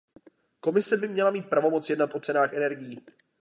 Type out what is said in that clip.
Komise by měla mít pravomoc jednat o cenách energií.